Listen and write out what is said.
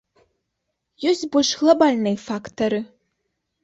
Ёсць больш глабальныя фактары.